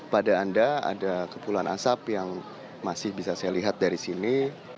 pada anda ada kepulan asap yang masih bisa saya lihat dari sini